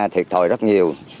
thiệt thòi rất nhiều